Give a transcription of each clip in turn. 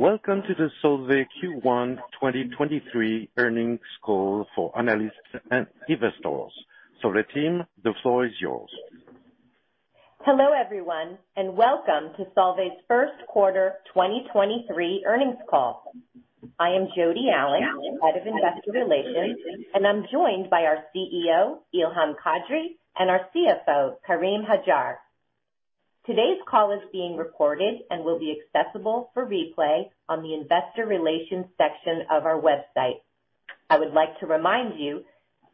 Welcome to the Solvay Q1 2023 earnings call for analysts and investors. Solvay team, the floor is yours. Hello, everyone, and welcome to Solvay's first quarter 2023 earnings call. I am Jodi Allen, head of investor relations, and I'm joined by our CEO, Ilham Kadri, and our CFO, Karim Hajjar. Today's call is being recorded and will be accessible for replay on the investor relations section of our website. I would like to remind you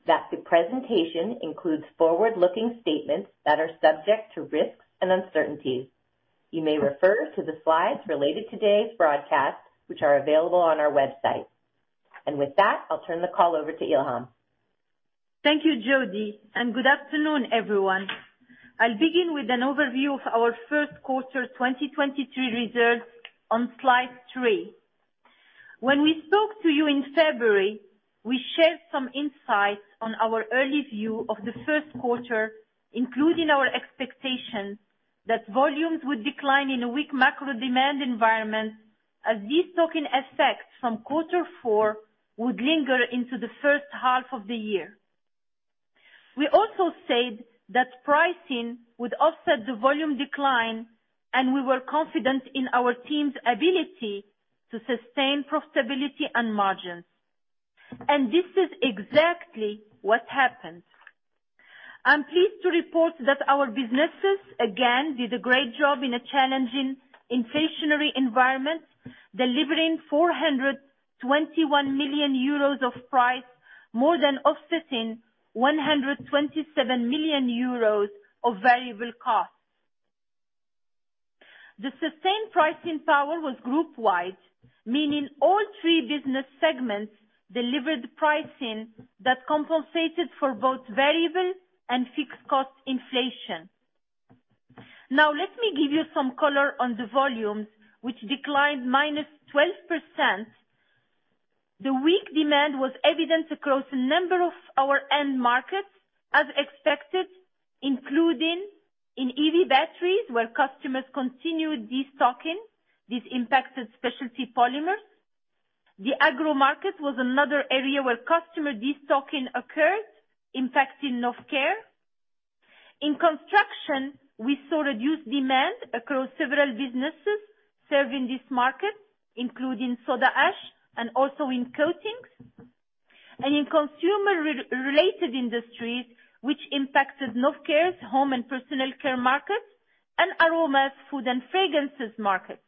that the presentation includes forward-looking statements that are subject to risks and uncertainties. You may refer to the slides related today's broadcast, which are available on our website. With that, I'll turn the call over to Ilham. Thank you, Jodi, good afternoon, everyone. I'll begin with an overview of our first quarter 2023 results on slide 3. When we spoke to you in February, we shared some insights on our early view of the first quarter, including our expectation that volumes would decline in a weak macro demand environment as this talking effect from Q4 would linger into the first half of the year. We also said that pricing would offset the volume decline, and we were confident in our team's ability to sustain profitability and margins. This is exactly what happened. I'm pleased to report that our businesses again did a great job in a challenging inflationary environment, delivering 421 million euros of price, more than offsetting 127 million euros of variable costs. The sustained pricing power was group-wide, meaning all three business segments delivered pricing that compensated for both variable and fixed cost inflation. Let me give you some color on the volumes, which declined -12%. The weak demand was evident across a number of our end markets, as expected, including in EV batteries, where customers continued destocking. This impacted specialty polymers. The agro market was another area where customer destocking occurred, impacting Novecare. In construction, we saw reduced demand across several businesses serving this market, including soda ash and also in coatings. In consumer re-related industries, which impacted Novecare's home and personal care markets and aroma, food and fragrances markets.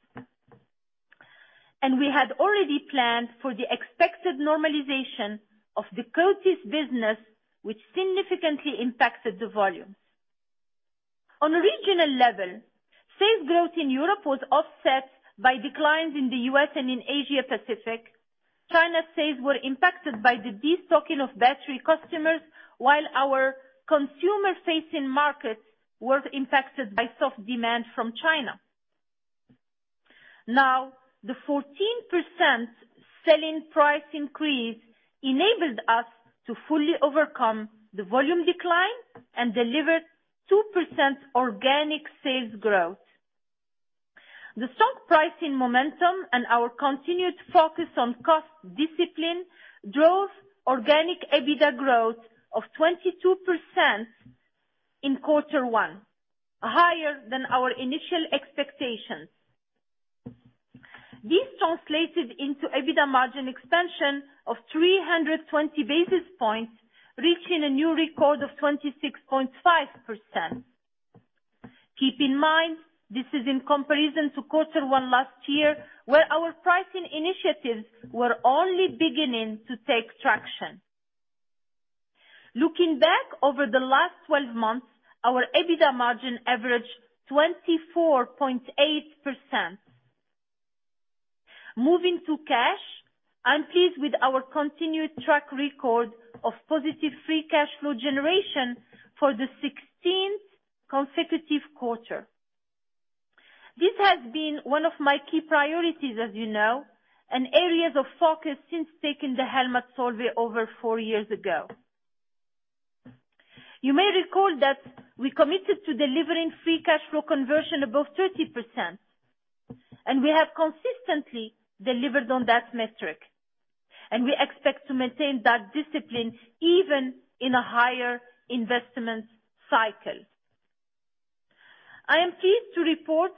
We had already planned for the expected normalization of the coatings business, which significantly impacted the volumes. On a regional level, sales growth in Europe was offset by declines in the U.S. and in Asia Pacific. China sales were impacted by the destocking of battery customers, while our consumer-facing markets were impacted by soft demand from China. The 14% selling price increase enabled us to fully overcome the volume decline and deliver 2% organic sales growth. The stock pricing momentum and our continued focus on cost discipline drove organic EBITDA growth of 22% in quarter one, higher than our initial expectations. This translated into EBITDA margin expansion of 320 basis points, reaching a new record of 26.5%. Keep in mind, this is in comparison to quarter one last year, where our pricing initiatives were only beginning to take traction. Looking back over the last 12 months, our EBITDA margin averaged 24.8%. Moving to cash, I'm pleased with our continued track record of positive free cash flow generation for the 16th consecutive quarter. This has been one of my key priorities, as you know, and areas of focus since taking the helm at Solvay over four years ago. You may recall that we committed to delivering free cash flow conversion above 30%, and we have consistently delivered on that metric, and we expect to maintain that discipline even in a higher investment cycle. I am pleased to report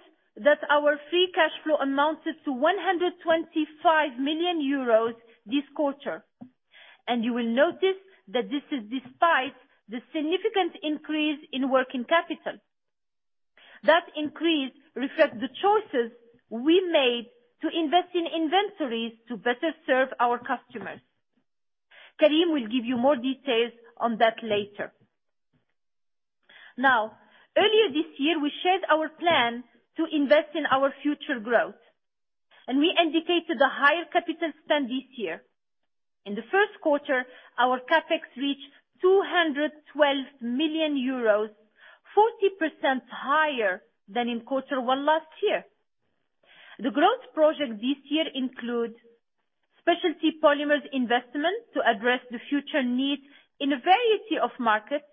that our free cash flow amounted to 125 million euros this quarter. You will notice that this is despite the significant increase in working capital. That increase reflects the choices we made to invest in inventories to better serve our customers. Karim will give you more details on that later. Now, earlier this year, we shared our plan to invest in our future growth, and we indicated a higher capital spend this year. In the first quarter, our CapEx reached 212 million euros, 40% higher than in quarter one last year. The growth project this year include specialty polymers investment to address the future needs in a variety of markets.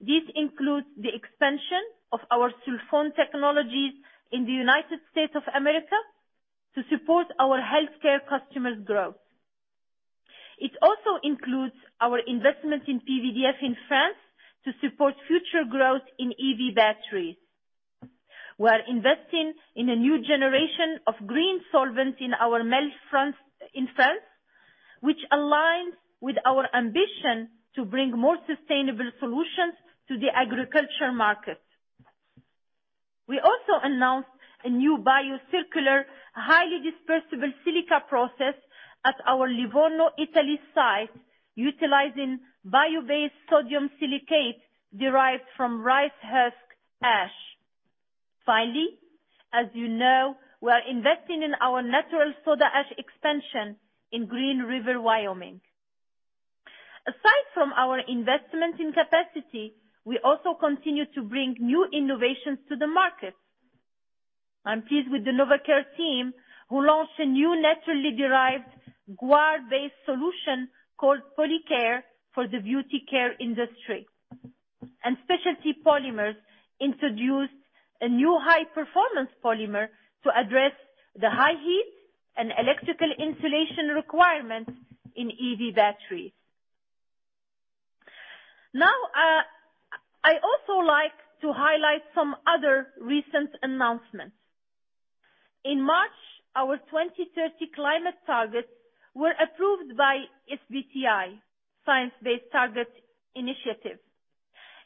This includes the expansion of our sulfone technologies in the United States of America to support our healthcare customers growth. It also includes our investment in PVDF in France to support future growth in EV batteries. We're investing in a new generation of green solvent in our Melle, France in France, which aligns with our ambition to bring more sustainable solutions to the agriculture market. We also announced a new bio-circular, highly dispersible silica process at our Livorno, Italy site, utilizing bio-based sodium silicate derived from rice husk ash. As you know, we are investing in our natural soda ash expansion in Green River, Wyoming. Aside from our investment in capacity, we also continue to bring new innovations to the market. I'm pleased with the Novecare team, who launched a new naturally derived guar-based solution called Polycare for the beauty care industry. Specialty Polymers introduced a new high performance polymer to address the high heat and electrical insulation requirements in EV batteries. I also like to highlight some other recent announcements. In March, our 2030 climate targets were approved by SBTI, Science Based Targets initiative.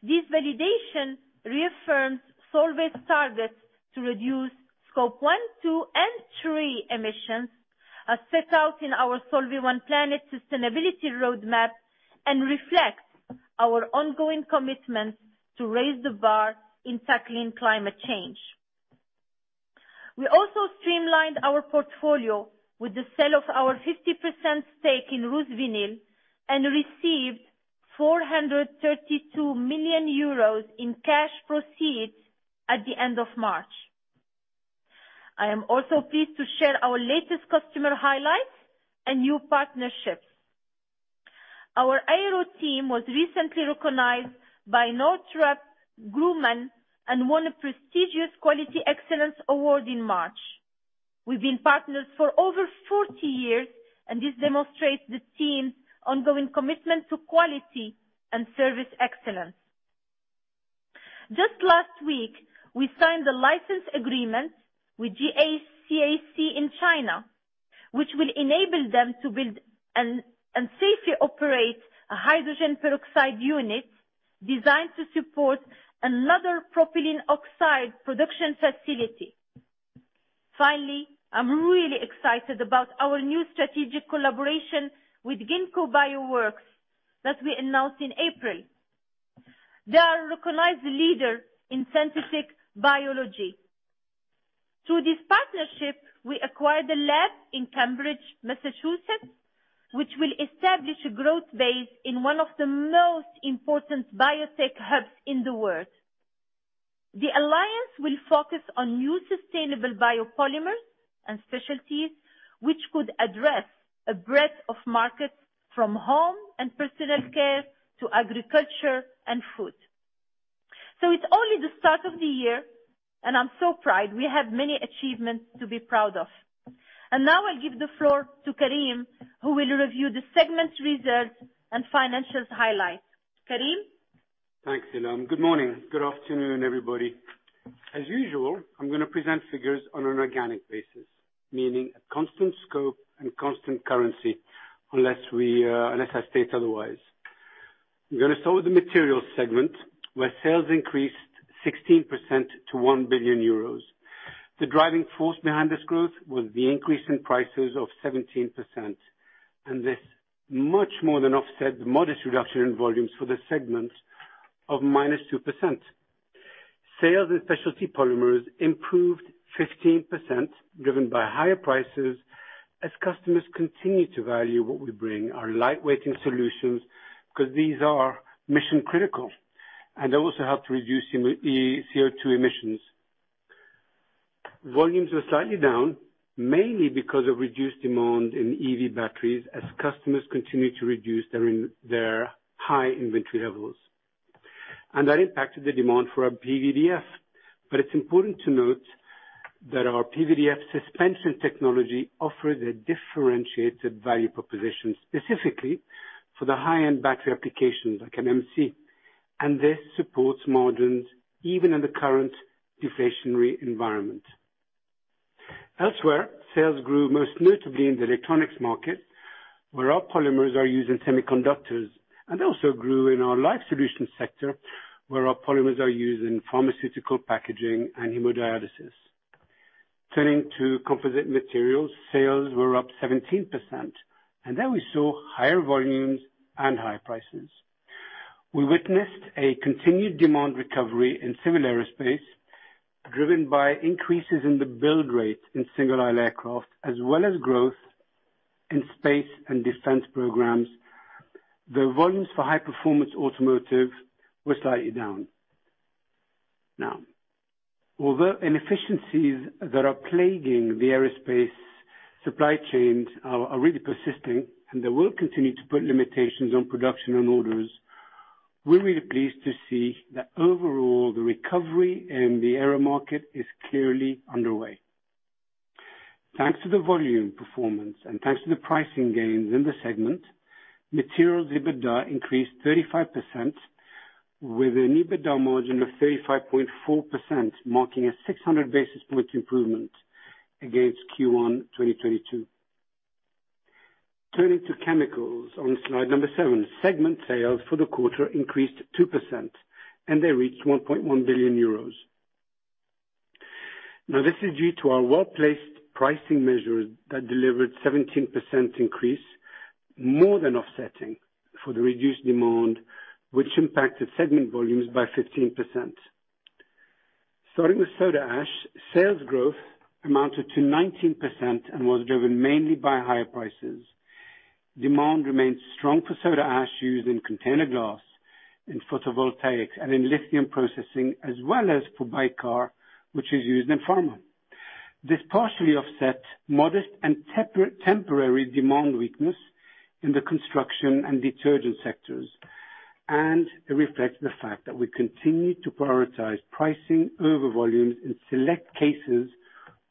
This validation reaffirms Solvay's targets to reduce scope one, two, and three emissions, as set out in our Solvay One Planet sustainability roadmap, reflects our ongoing commitments to raise the bar in tackling climate change. We also streamlined our portfolio with the sale of our 50% stake in RusVinyl and received 432 million euros in cash proceeds at the end of March. I am also pleased to share our latest customer highlights and new partnerships. Our Aero team was recently recognized by Northrop Grumman and won a prestigious Quality Excellence Award in March. We've been partners for over 40 years, this demonstrates the team's ongoing commitment to quality and service excellence. Just last week, we signed a license agreement with GHCAC in China, which will enable them to build and safely operate a hydrogen peroxide unit designed to support another propylene oxide production facility. Finally, I'm really excited about our new strategic collaboration with Ginkgo Bioworks that we announced in April. They are a recognized leader in synthetic biology. Through this partnership, we acquired a lab in Cambridge, Massachusetts, which will establish a growth base in one of the most important biotech hubs in the world. The alliance will focus on new sustainable biopolymers and specialties, which could address a breadth of markets from home and personal care to agriculture and food. It's only the start of the year, and I'm so proud. We have many achievements to be proud of. Now I'll give the floor to Karim, who will review the segment's results and financials highlights. Karim? Thanks, Ilham. Good morning. Good afternoon, everybody. As usual, I'm gonna present figures on an organic basis, meaning a constant scope and constant currency, unless I state otherwise. I'm gonna start with the materials segment, where sales increased 16% to 1 billion euros. The driving force behind this growth was the increase in prices of 17%, this much more than offset the modest reduction in volumes for the segment of -2%. Sales in specialty polymers improved 15%, driven by higher prices as customers continue to value what we bring, our lightweighting solutions, because these are mission critical and also help to reduce CO2 emissions. Volumes are slightly down, mainly because of reduced demand in EV batteries as customers continue to reduce their high inventory levels. That impacted the demand for our PVDF. It's important to note that our PVDF suspension technology offers a differentiated value proposition, specifically for the high-end battery applications like NMC, and this supports margins even in the current deflationary environment. Elsewhere, sales grew most notably in the electronics market, where our polymers are used in semiconductors, and also grew in our life solutions sector, where our polymers are used in pharmaceutical packaging and hemodialysis. Turning to composite materials, sales were up 17%, and there we saw higher volumes and higher prices. We witnessed a continued demand recovery in civil aerospace, driven by increases in the build rate in single-aisle aircraft, as well as growth in space and defense programs, the volumes for high performance automotive were slightly down. Although inefficiencies that are plaguing the aerospace supply chains are really persisting and they will continue to put limitations on production and orders, we're really pleased to see that overall, the recovery in the aero market is clearly underway. Thanks to the volume performance and thanks to the pricing gains in the segment, Materials EBITDA increased 35% with an EBITDA margin of 35.4%, marking a 600 basis point improvement against Q1 2022. Turning to chemicals on slide seven, segment sales for the quarter increased 2% and they reached 1.1 billion euros. This is due to our well-placed pricing measures that delivered 17% increase, more than offsetting for the reduced demand, which impacted segment volumes by 15%. Starting with soda ash, sales growth amounted to 19% and was driven mainly by higher prices. Demand remains strong for soda ash used in container glass, in photovoltaics, and in lithium processing, as well as for bicarb, which is used in pharma. This partially offset modest and temporary demand weakness in the construction and detergent sectors, and it reflects the fact that we continue to prioritize pricing over volumes in select cases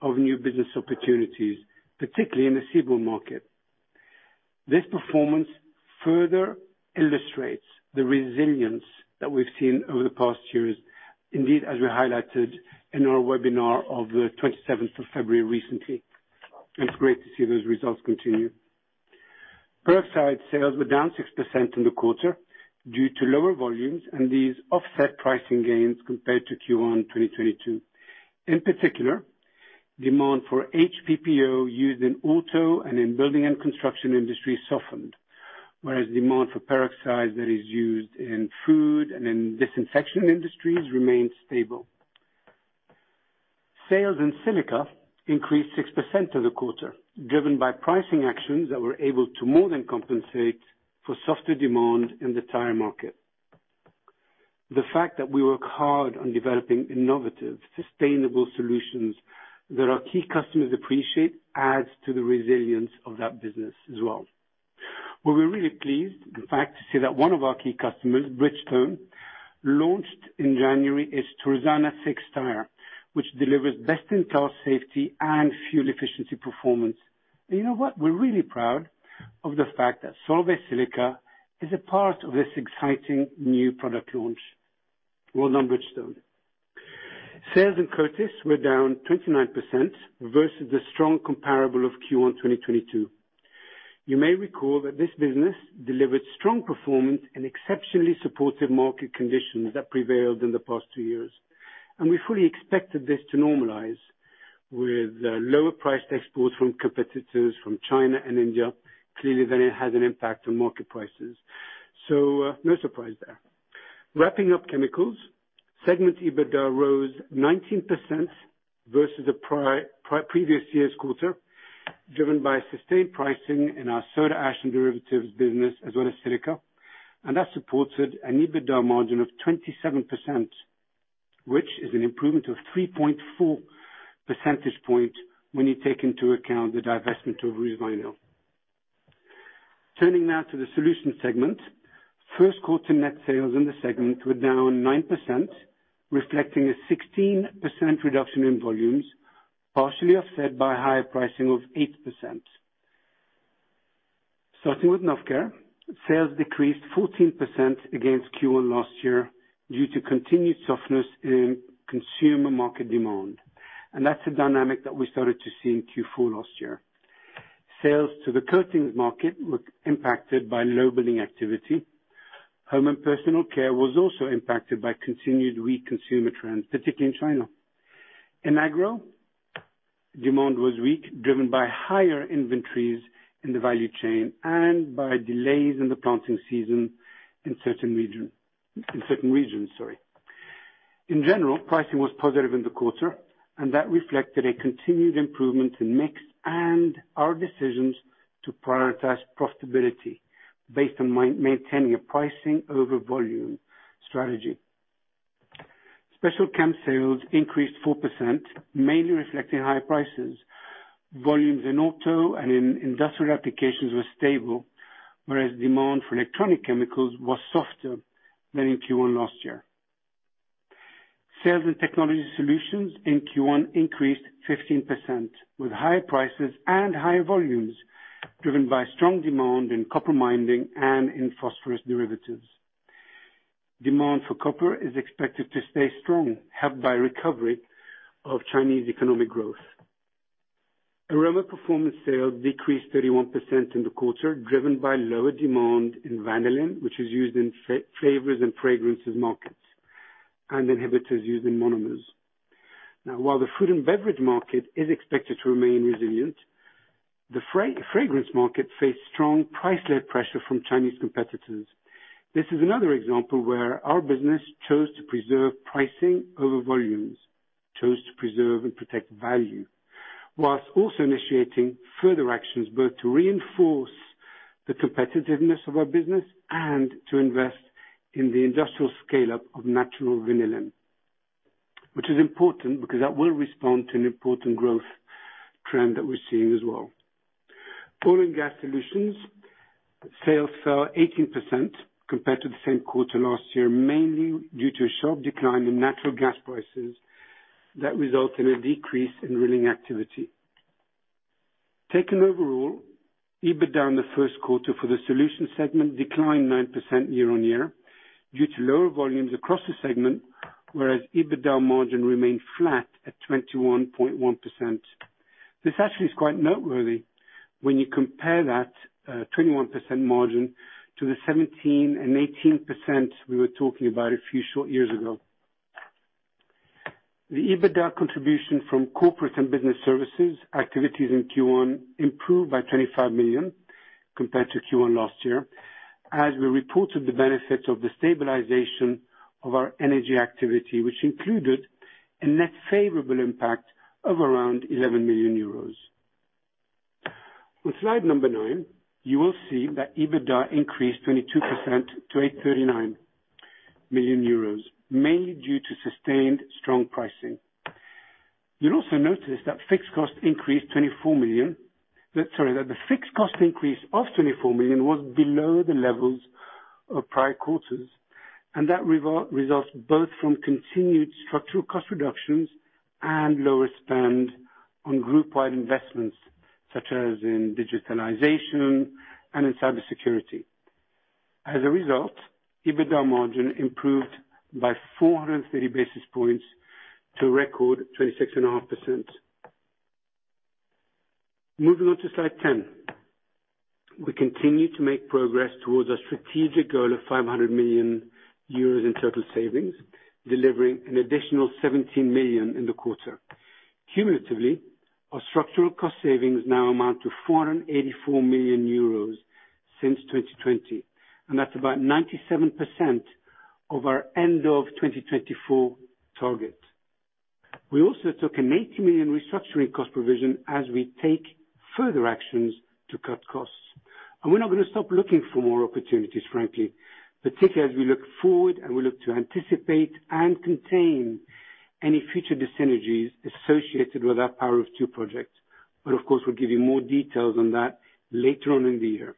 of new business opportunities, particularly in the Siebel market. This performance further illustrates the resilience that we've seen over the past years. Indeed, as we highlighted in our webinar of the 27th of February recently, and it's great to see those results continue. Peroxide sales were down 6% in the quarter due to lower volumes, and these offset pricing gains compared to Q1 2022. In particular, demand for HPPO used in auto and in building and construction industry softened, whereas demand for peroxide that is used in food and in disinfection industries remained stable. Sales in silica increased 6% for the quarter, driven by pricing actions that were able to more than compensate for softer demand in the tire market. The fact that we work hard on developing innovative, sustainable solutions that our key customers appreciate adds to the resilience of that business as well. We were really pleased, in fact, to see that one of our key customers, Bridgestone, launched in January its Turanza 6 tire, which delivers best-in-class safety and fuel efficiency performance. You know what? We're really proud of the fact that Solvay Silica is a part of this exciting new product launch. Well done, Bridgestone. Sales in Coatis were down 29% versus the strong comparable of Q1 2022. You may recall that this business delivered strong performance in exceptionally supportive market conditions that prevailed in the past two years, we fully expected this to normalize with lower priced exports from competitors from China and India. Clearly, it has an impact on market prices. No surprise there. Wrapping up chemicals, segment EBITDA rose 19% versus the previous year's quarter, driven by sustained pricing in our soda ash and derivatives business as well as silica. That supported an EBITDA margin of 27%, which is an improvement of 3.4 percentage point when you take into account the divestment of RusVinyl. Turning now to the Solutions segment. First quarter net sales in the segment were down 9%, reflecting a 16% reduction in volumes, partially offset by higher pricing of 8%. Starting with Novecare, sales decreased 14% against Q1 last year due to continued softness in consumer market demand. That's a dynamic that we started to see in Q4 last year. Sales to the coatings market were impacted by low building activity. Home and personal care was also impacted by continued weak consumer trends, particularly in China. In agro, demand was weak, driven by higher inventories in the value chain and by delays in the planting season in certain regions, sorry. In general, pricing was positive in the quarter, that reflected a continued improvement in mix and our decisions to prioritize profitability based on maintaining a pricing over volume strategy. Special Chem sales increased 4%, mainly reflecting higher prices. Volumes in auto and in industrial applications were stable, whereas demand for electronic chemicals was softer than in Q1 last year. Sales in technology solutions in Q1 increased 15%, with higher prices and higher volumes driven by strong demand in copper mining and in phosphorus derivatives. Demand for copper is expected to stay strong, helped by recovery of Chinese economic growth. Aroma Performance sales decreased 31% in the quarter, driven by lower demand in vanillin, which is used in flavors and fragrances markets, and inhibitors used in monomers. While the food and beverage market is expected to remain resilient, the fragrance market faced strong price-led pressure from Chinese competitors. This is another example where our business chose to preserve pricing over volumes, chose to preserve and protect value, whilst also initiating further actions, both to reinforce the competitiveness of our business and to invest in the industrial scale-up of natural vanillin, which is important because that will respond to an important growth trend that we're seeing as well. Oil and gas solutions sales fell 18% compared to the same quarter last year, mainly due to a sharp decline in natural gas prices that result in a decrease in drilling activity. Taken overall, EBITDA in the first quarter for the solutions segment declined 9% year-on-year due to lower volumes across the segment, whereas EBITDA margin remained flat at 21.1%. This actually is quite noteworthy when you compare that, 21% margin to the 17% and 18% we were talking about a few short years ago. The EBITDA contribution from corporate and business services activities in Q1 improved by 25 million compared to Q1 last year, as we reported the benefits of the stabilization of our energy activity, which included a net favorable impact of around 11 million euros. On slide number 9, you will see that EBITDA increased 22% to 839 million euros, mainly due to sustained strong pricing. You'll also notice that fixed cost increased 24 million. Sorry, that the fixed cost increase of 24 million was below the levels of prior quarters, and that results both from continued structural cost reductions and lower spend on group-wide investments such as in digitalization and in cybersecurity. EBITDA margin improved by 430 basis points to a record 26.5%. Moving on to slide 10. We continue to make progress towards our strategic goal of 500 million euros in total savings, delivering an additional 17 million in the quarter. Our structural cost savings now amount to 484 million euros since 2020, that's about 97% of our end of 2024 target. We also took an 80 million restructuring cost provision as we take further actions to cut costs. We're not gonna stop looking for more opportunities, frankly, particularly as we look forward and we look to anticipate and contain any future dyssynergies associated with our Power of Two projects. Of course, we'll give you more details on that later on in the year.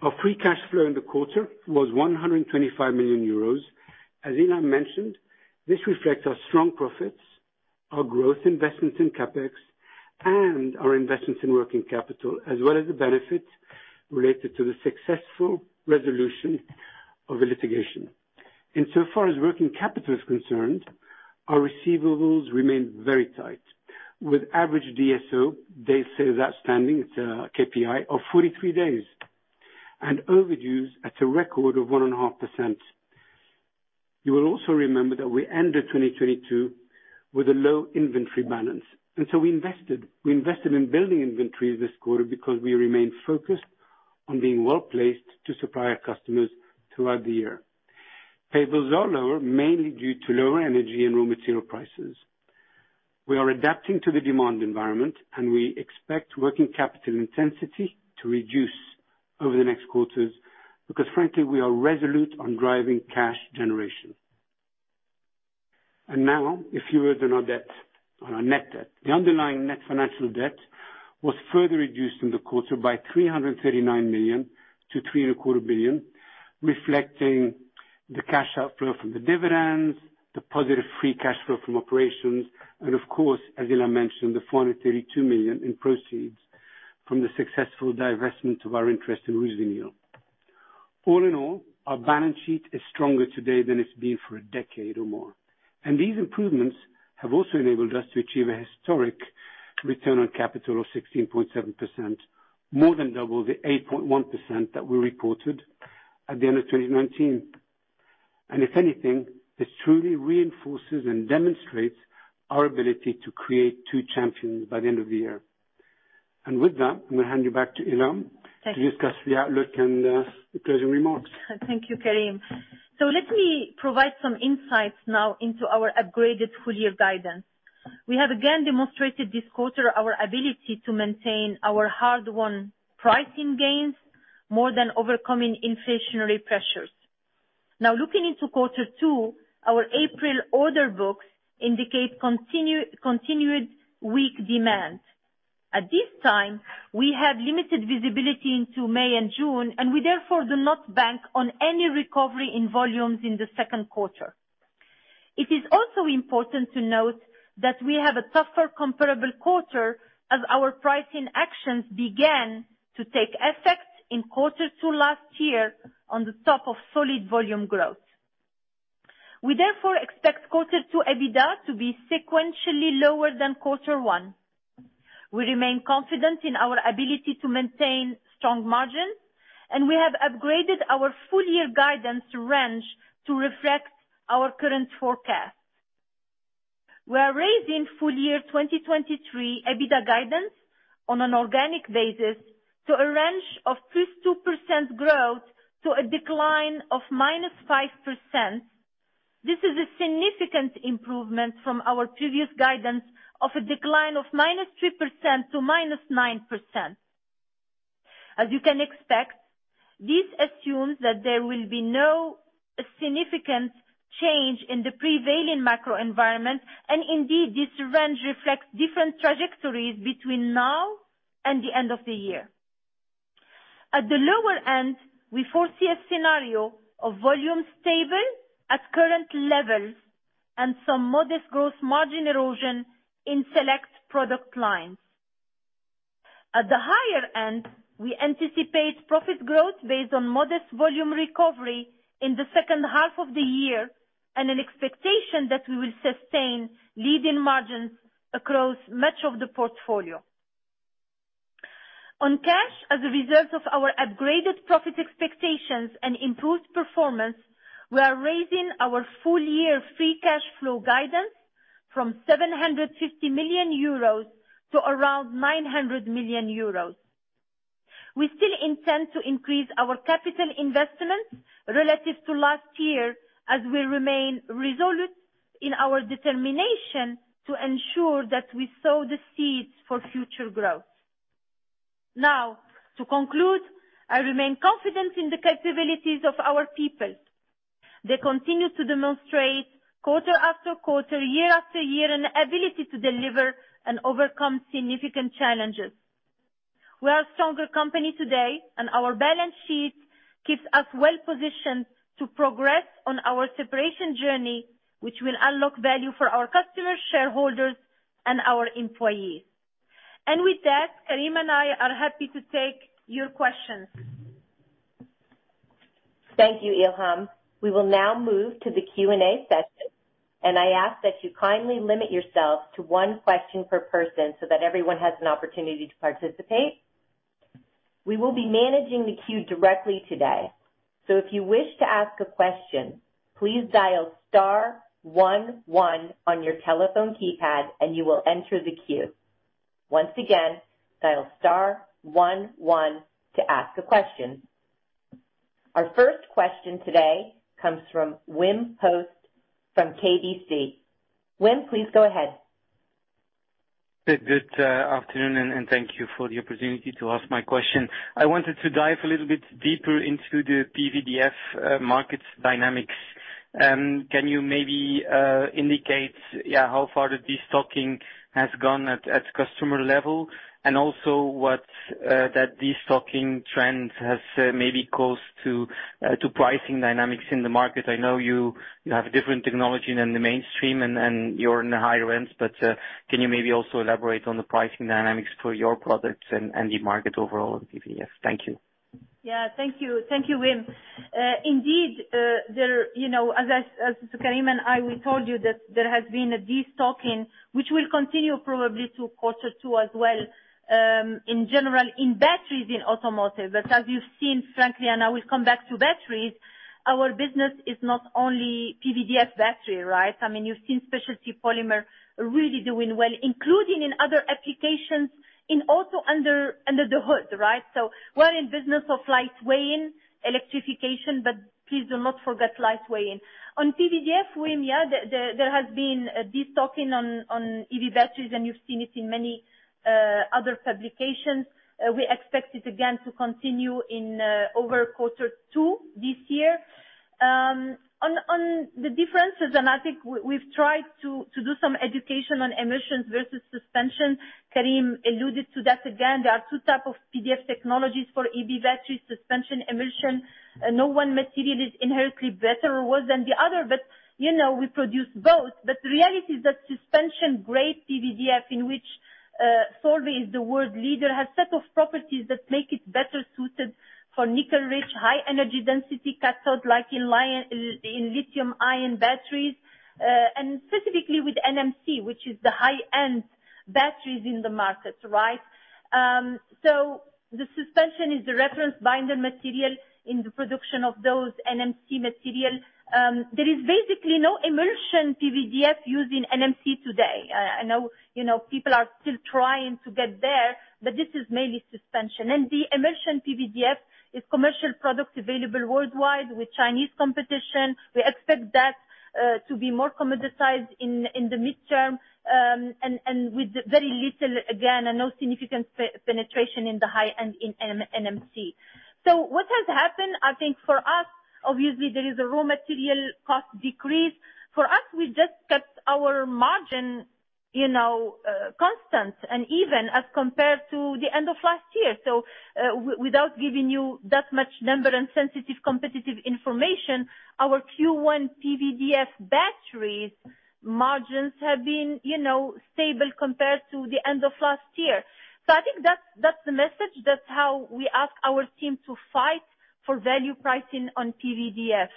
Our free cash flow in the quarter was 125 million euros. As Ilham mentioned, this reflects our strong profits, our growth investments in CapEx, and our investments in working capital, as well as the benefits related to the successful resolution of a litigation. Insofar as working capital is concerned, our receivables remain very tight, with average DSO, days sales outstanding, it's a KPI, of 43 days, and overdues at a record of 1.5%. You will also remember that we ended 2022 with a low inventory balance. We invested in building inventories this quarter because we remain focused on being well-placed to supply our customers throughout the year. Payables are lower, mainly due to lower energy and raw material prices. We are adapting to the demand environment, we expect working capital intensity to reduce over the next quarters because frankly, we are resolute on driving cash generation. Now, a few words on our debt, on our net debt. The underlying net financial debt was further reduced in the quarter by 339 million to 3 and a quarter billion, reflecting the cash outflow from the dividends, the positive free cash flow from operations, and of course, as Ilham mentioned, the 432 million in proceeds from the successful divestment of our interest in RusVinyl. All in all, our balance sheet is stronger today than it's been for a decade or more. These improvements have also enabled us to achieve a historic return on capital of 16.7%, more than double the 8.1% that we reported at the end of 2019. If anything, this truly reinforces and demonstrates our ability to create two champions by the end of the year. With that, I'm gonna hand you back to Ilham to discuss the outlook and the closing remarks. Thank you, Karim. Let me provide some insights now into our upgraded full year guidance. We have again demonstrated this quarter our ability to maintain our hard-won pricing gains more than overcoming inflationary pressures. Looking into quarter two, our April order books indicate continued weak demand. At this time, we have limited visibility into May and June, and we therefore do not bank on any recovery in volumes in the second quarter. It is also important to note that we have a tougher comparable quarter as our pricing actions began to take effect in quarter two last year on the top of solid volume growth. We therefore expect quarter two EBITDA to be sequentially lower than quarter one. We remain confident in our ability to maintain strong margins, and we have upgraded our full year guidance range to reflect our current forecast. We are raising full year 2023 EBITDA guidance on an organic basis to a range of +2% growth to a decline of -5%. This is a significant improvement from our previous guidance of a decline of -3% to -9%. As you can expect, this assumes that there will be no significant change in the prevailing macro environment. Indeed, this range reflects different trajectories between now and the end of the year. At the lower end, we foresee a scenario of volume stable at current levels and some modest growth margin erosion in select product lines. At the higher end, we anticipate profit growth based on modest volume recovery in the second half of the year and an expectation that we will sustain leading margins across much of the portfolio. On cash as a result of our upgraded profit expectations and improved performance, we are raising our full year free cash flow guidance from 750 million euros to around 900 million euros. We still intend to increase our capital investments relative to last year as we remain resolute in our determination to ensure that we sow the seeds for future growth. To conclude, I remain confident in the capabilities of our people. They continue to demonstrate quarter after quarter, year after year, an ability to deliver and overcome significant challenges. We are a stronger company today, and our balance sheet keeps us well positioned to progress on our separation journey, which will unlock value for our customers, shareholders, and our employees. With that, Karim and I are happy to take your questions. Thank you, Ilham. We will now move to the Q&A session. I ask that you kindly limit yourself to one question per person so that everyone has an opportunity to participate. We will be managing the queue directly today. If you wish to ask a question, please dial star one one on your telephone keypad and you will enter the queue. Once again, dial star one one to ask a question. Our first question today comes from Wim Hoste from KBC. Wim, please go ahead. Good afternoon. Thank you for the opportunity to ask my question. I wanted to dive a little bit deeper into the PVDF market dynamics. Can you maybe indicate, yeah, how far the destocking has gone at customer level and also what that destocking trend has maybe caused to pricing dynamics in the market? I know you have a different technology than the mainstream and you're in the higher end. Can you maybe also elaborate on the pricing dynamics for your products and the market overall in PVDF? Thank you. Thank you. Thank you, Wim. Indeed, you know, as Karim and I, we told you that there has been a destocking which will continue probably through quarter two as well, in general in batteries in automotive. As you've seen, frankly, and I will come back to batteries, our business is not only PVDF battery, right? I mean, you've seen specialty polymer really doing well, including in other applications in also under the hood, right? We're in business of lightweighting, electrification, but please do not forget lightweighting. On PVDF, Wim, there has been a destocking on EV batteries, and you've seen it in many other publications. We expect it again to continue in over quarter two this year. On the differences, and I think we've tried to do some education on emulsions versus suspension. Karim alluded to that. There are two type of PVDF technologies for EV batteries, suspension, emulsion. No one material is inherently better or worse than the other, but, you know, we produce both. The reality is that suspension-grade PVDF, in which Solvay is the world leader, has set of properties that make it better suited for nickel-rich, high-energy density cathode, like in lithium-ion batteries, and specifically with NMC, which is the high-end batteries in the market, right? The suspension is the reference binder material in the production of those NMC material. There is basically no emulsion PVDF used in NMC today. I know, you know, people are still trying to get there, but this is mainly suspension. The emulsion PVDF is commercial products available worldwide with Chinese competition. We expect that to be more commoditized in the midterm, and with very little, again, and no significant penetration in the high end in NMC. What has happened, I think for us, obviously there is a raw material cost decrease. For us, we just kept our margin, you know, constant and even as compared to the end of last year. Without giving you that much number and sensitive competitive information, our Q1 PVDF batteries margins have been, you know, stable compared to the end of last year. I think that's the message. That's how we ask our team to fight for value pricing on PVDF.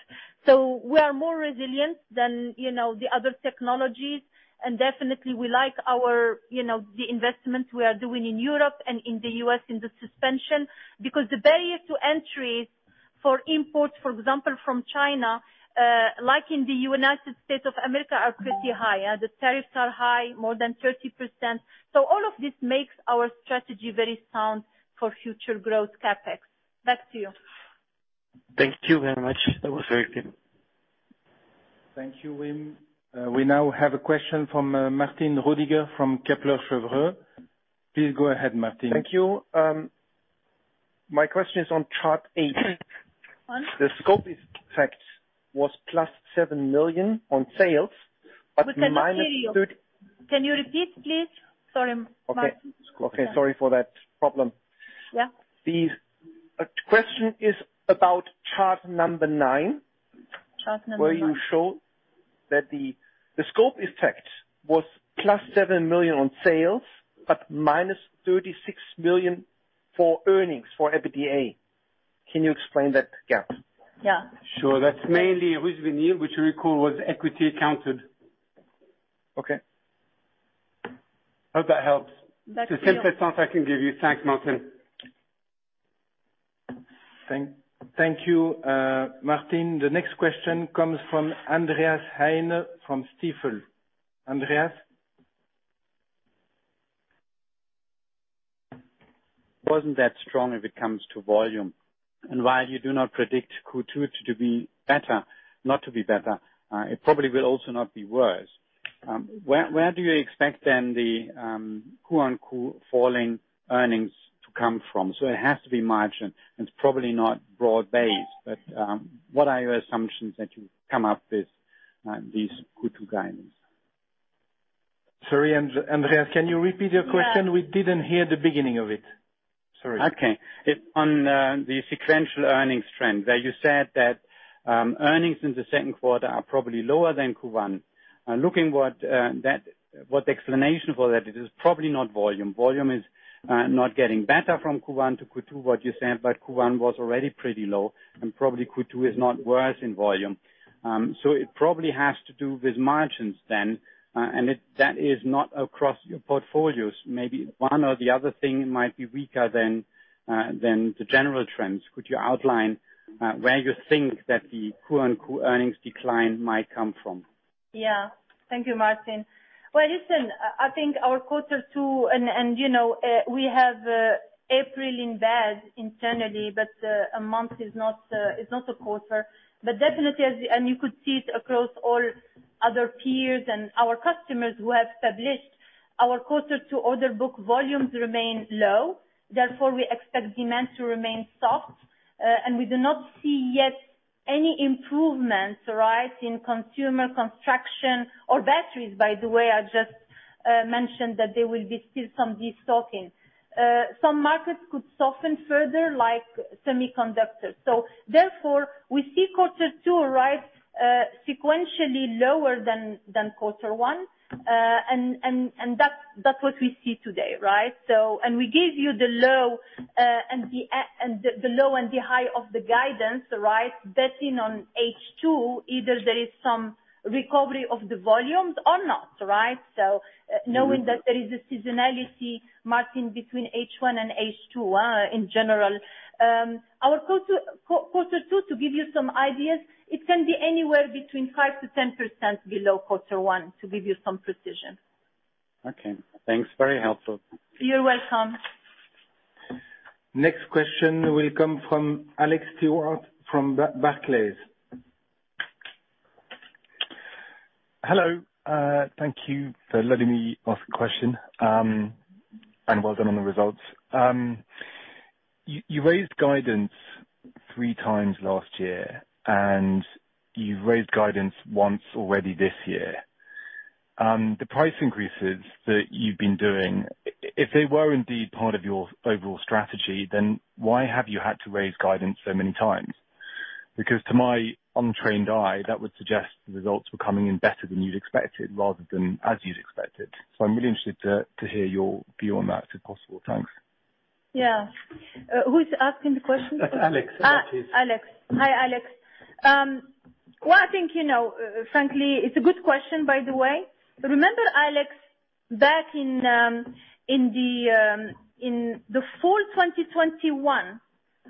We are more resilient than, you know, the other technologies. Definitely we like our, you know, the investments we are doing in Europe and in the US in the suspension, because the barriers to entry For imports, for example, from China, like in the United States of America, are pretty high, the tariffs are high, more than 30%. All of this makes our strategy very sound for future growth CapEx. Back to you. Thank you very much. That was very clear. Thank you, Wim. We now have a question from Martin Roediger from Kepler Cheuvreux. Please go ahead, Martin. Thank you. My question is on chart 8. One. The scope effect was plus 7 million on sales, but minus- We can hear you. Can you repeat, please? Sorry, Martin. Okay. Okay, sorry for that problem. Yeah. A question is about chart number nine. Chart number 9. Where you show that the scope effect was plus 7 million on sales, but minus 36 million for earnings for EBITDA. Can you explain that gap? Yeah. Sure. That's mainly inaudible which you recall was equity accounted. Okay. Hope that helps. That's clear. It's the simplest answer I can give you. Thanks, Martin. Thank you, Martin. The next question comes from Andreas Heine from Stifel. Andreas? Wasn't that strong as it comes to volume. While you do not predict Q2 to be better, not to be better, it probably will also not be worse. Where do you expect then the quo-on-quo falling earnings to come from? It has to be margin, and it's probably not broad-based. What are your assumptions that you've come up with, these Q2 guidance? Sorry, Andreas, can you repeat your question? Yeah. We didn't hear the beginning of it. Sorry. Okay. It's on the sequential earnings trend, where you said that earnings in the second quarter are probably lower than Q1. Looking what the explanation for that is, it's probably not volume. Volume is not getting better from Q1 to Q2, what you said, but Q1 was already pretty low and probably Q2 is not worse in volume. It probably has to do with margins then, and that is not across your portfolios. Maybe one or the other thing might be weaker than the general trends. Could you outline where you think that the Q-on-Q earnings decline might come from? Yeah. Thank you, Martin. Well, listen, I think our quarter two and, you know, we have April in bed internally, but a month is not a quarter. Definitely you could see it across all other peers and our customers who have published. Our quarter two order book volumes remain low, therefore we expect demand to remain soft. We do not see yet any improvements, right, in consumer construction or batteries, by the way, I just mentioned that there will be still some destocking. Some markets could soften further like semiconductors. Therefore, we see quarter two, right, sequentially lower than quarter one. And that's what we see today, right. We give you the low and the high of the guidance, right? Betting on H2, either there is some recovery of the volumes or not, right? Knowing that there is a seasonality marking between H1 and H2 in general. Our quarter two, to give you some ideas, it can be anywhere between 5%-10% below quarter one, to give you some precision. Okay. Thanks, very helpful. You're welcome. Next question will come from Alex Stewart from Barclays. Hello. Thank you for letting me ask a question. Well done on the results. You raised guidance three times last year, and you've raised guidance once already this year. The price increases that you've been doing, if they were indeed part of your overall strategy, then why have you had to raise guidance so many times? To my untrained eye, that would suggest the results were coming in better than you'd expected rather than as you'd expected. I'm really interested to hear your view on that, if possible. Thanks. Yeah. Who's asking the question? Alex Stewart. Alex. Hi, Alex. Well, I think, you know, frankly, it's a good question, by the way. Remember, Alex, back in the fall 2021,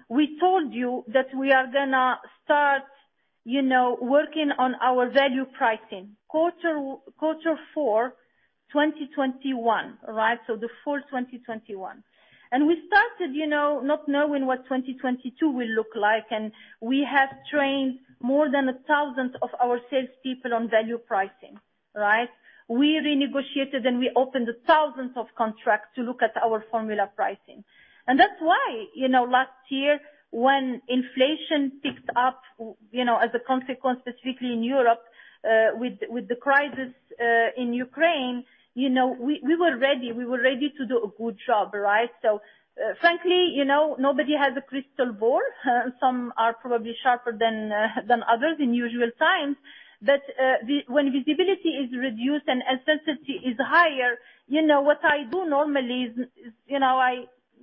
we told you that we are gonna start, you know, working on our value pricing. Quarter four, 2021, right? The fall 2021. We started, you know, not knowing what 2022 will look like, and we have trained more than 1,000 of our salespeople on value pricing, right? We renegotiated and we opened thousands of contracts to look at our formula pricing. That's why, you know, last year, when inflation picked up, you know, as a consequence, specifically in Europe, with the crisis in Ukraine, you know, we were ready. We were ready to do a good job, right? Frankly, you know, nobody has a crystal ball. Some are probably sharper than others in usual times. When visibility is reduced and uncertainty is higher, you know, what I do normally is, you know,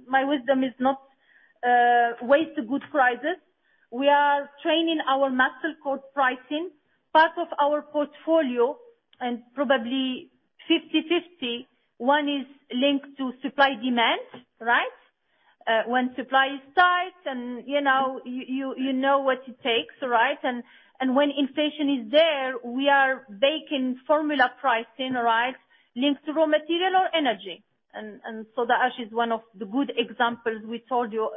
my wisdom is not, waste good crisis. We are in our master code pricing, part of our portfolio and probably 50/50, one is linked to supply demand, right? When supply is tight and, you know, you know what it takes, right? When inflation is there, we are baking formula pricing, right, linked to raw material or energy. Soda ash is one of the good examples we told you,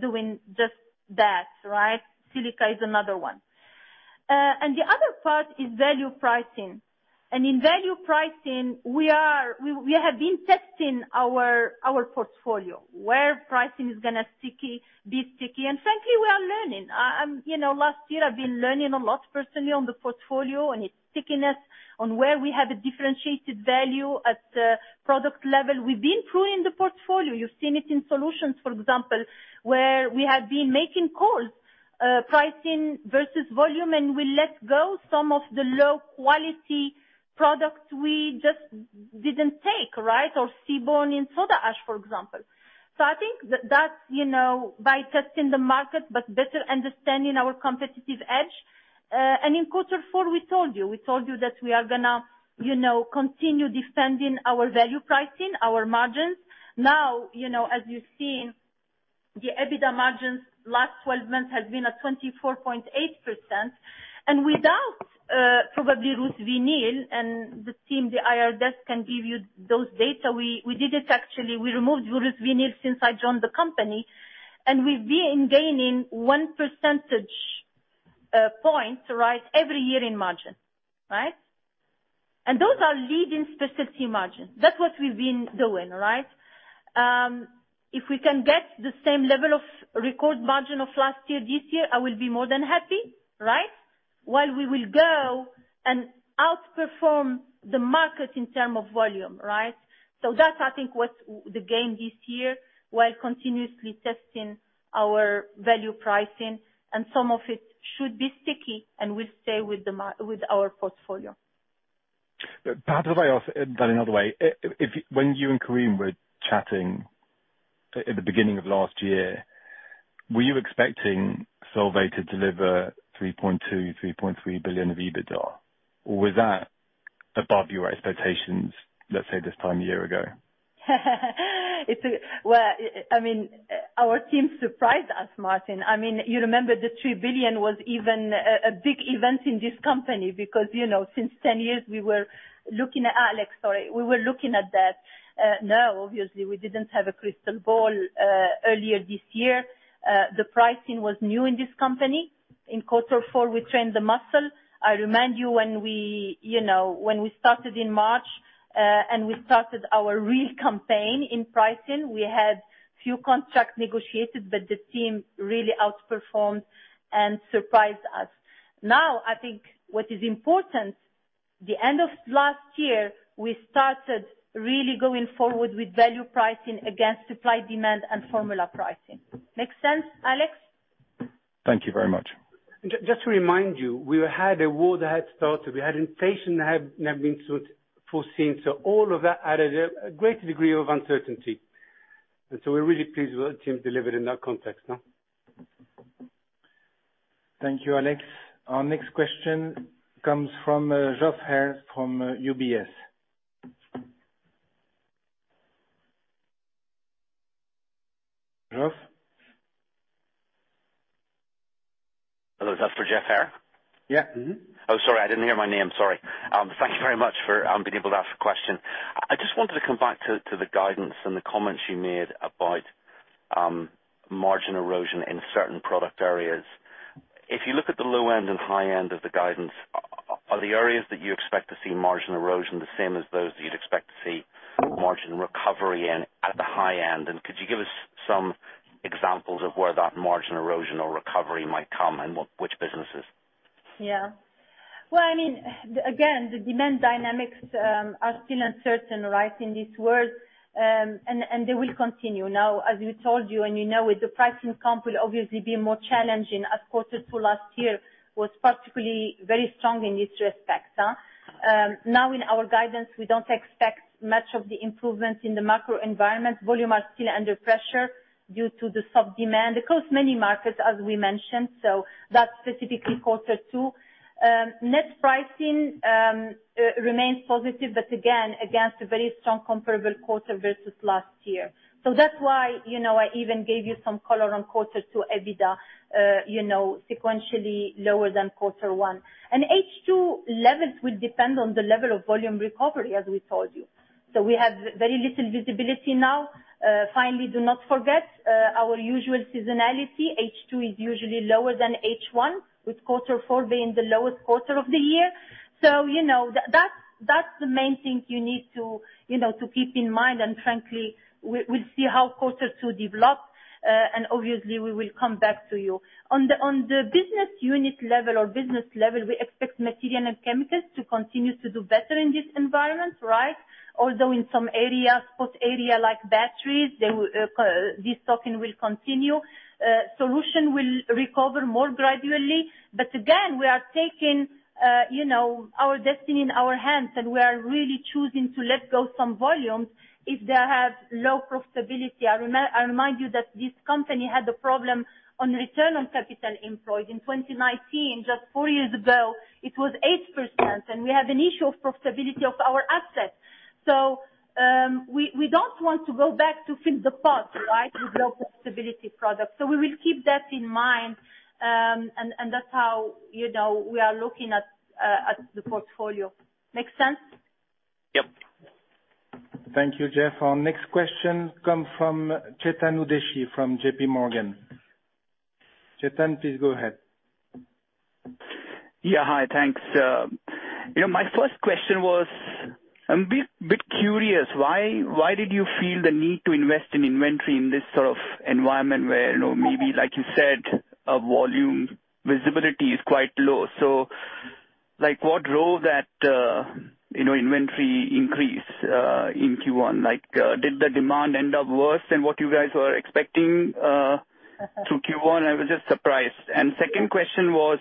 doing just that, right? Silica is another one. The other part is value pricing. In value pricing, we have been testing our portfolio, where pricing is gonna be sticky, frankly, we are learning. I'm, you know, last year I've been learning a lot personally on the portfolio and its stickiness on where we have a differentiated value at the product level. We've been improving the portfolio. You've seen it in solutions, for example, where we have been making calls, pricing versus volume, we let go some of the low quality products we just didn't take, right? Seaborne in soda ash, for example. I think that's, you know, by testing the market, but better understanding our competitive edge. In quarter four we told you that we are gonna, you know, continue defending our value pricing, our margins. You know, as you've seen, the EBITDA margins last 12 months has been at 24.8%. Without, probably RusVinyl and the team, the IR desk can give you those data, we did it actually. We removed RusVinyl since I joined the company, and we've been gaining one percentage point, right, every year in margin. Right? Those are leading specificity margins. That's what we've been doing, right? If we can get the same level of record margin of last year, this year, I will be more than happy, right? We will go and outperform the market in term of volume, right? That's I think what we gain this year, while continuously testing our value pricing, and some of it should be sticky, and will stay with our portfolio. Another way, if, when you and Karim were chatting at the beginning of last year, were you expecting Solvay to deliver 3.2 billion-3.3 billion of EBITDA? Or was that above your expectations, let's say this time a year ago? Well, I mean, our team surprised us, Martin. I mean, you remember the 3 billion was even a big event in this company because, you know, since 10 years we were looking at that. Sorry, we were looking at that. No, obviously we didn't have a crystal ball earlier this year. The pricing was new in this company. In quarter four, we trained the muscle. I remind you when we, you know, started in March, and we started our real campaign in pricing, we had few contracts negotiated, but the team really outperformed and surprised us. I think what is important, the end of last year, we started really going forward with value pricing against supply-demand and formula pricing. Make sense, Alex? Thank you very much. Just to remind you, we had a war that had started, we had inflation that had never been so foreseen, so all of that added a great degree of uncertainty. We're really pleased with what the team delivered in that context, no? Thank you, Alex. Our next question comes from, Geoff Haire from, UBS. Geoff? Hello, is that for Geoff Haire? Yeah. Mm-hmm. Sorry, I didn't hear my name. Sorry. Thank you very much for being able to ask a question. I just wanted to come back to the guidance and the comments you made about margin erosion in certain product areas. If you look at the low end and high end of the guidance, are the areas that you expect to see margin erosion the same as those that you'd expect to see margin recovery in at the high end? Could you give us some examples of where that margin erosion or recovery might come and which businesses? Yeah. Well, I mean, again, the demand dynamics are still uncertain, right, in this world. They will continue. Now, as we told you and you know with the pricing comp will obviously be more challenging as quarter two last year was particularly very strong in this respect. Now in our guidance, we don't expect much of the improvements in the macro environment. Volume are still under pressure due to the sub-demand across many markets, as we mentioned. That's specifically quarter two. Net pricing remains positive, but again, against a very strong comparable quarter versus last year. That's why, you know, I even gave you some color on quarter two EBITDA, you know, sequentially lower than quarter one. H2 levels will depend on the level of volume recovery, as we told you. We have very little visibility now. Finally, do not forget our usual seasonality. H2 is usually lower than H1, with quarter four being the lowest quarter of the year. You know, that's the main thing you need to, you know, to keep in mind, frankly, we'll see how quarter two develops, obviously we will come back to you. On the business unit level or business level, we expect materials and chemicals to continue to do better in this environment, right? Although in some areas, hot area like batteries, they will, this talking will continue. Solution will recover more gradually. Again, we are taking, you know, our destiny in our hands, we are really choosing to let go some volumes if they have low profitability. I remind you that this company had a problem on return on capital employed. In 2019, just four years ago, it was 8%, and we have an issue of profitability of our assets. We don't want to go back to fill the pot, right, with low profitability products. We will keep that in mind, and that's how, you know, we are looking at the portfolio. Make sense? Yep. Thank you, Geoff. Our next question come from Chetan Udeshi from JPMorgan. Chetan, please go ahead. Yeah. Hi, thanks. You know, my first question was, I'm bit curious why did you feel the need to invest in inventory in this sort of environment where, you know, maybe like you said, volume visibility is quite low. Like, what drove that, you know, inventory increase in Q1? Like, did the demand end up worse than what you guys were expecting through Q1? I was just surprised. Second question was,